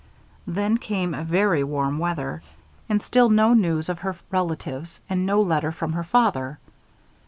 Then came very warm weather, and still no real news of her relatives and no letter from her father.